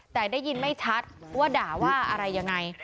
แต่ได้ยินไม่ชัดว่าด่าว่าอะไรยังไง